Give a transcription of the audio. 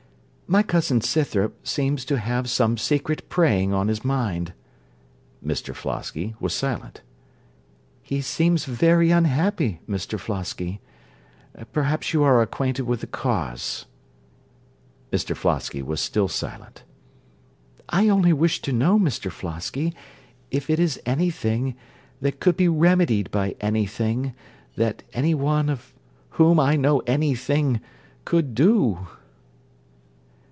_) My cousin Scythrop seems to have some secret preying on his mind. (Mr Flosky was silent.) He seems very unhappy Mr Flosky. Perhaps you are acquainted with the cause. (Mr Flosky was still silent.) I only wish to know Mr Flosky if it is any thing that could be remedied by any thing that any one of whom I know any thing could do.